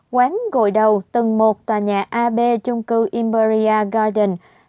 quán gội đầu tầng một tòa nhà ab chung cư imbria garden